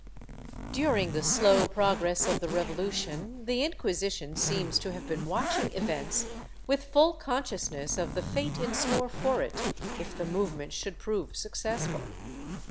^ During the slow progress of the Revolution, the Inquisition seems to have been watching events with full consciousness of the fate in store for it if the movement should prove successful.